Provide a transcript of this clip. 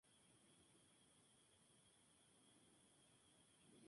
Su dieta consiste de insectos, generalmente cazados al vuelo sobre la pradera.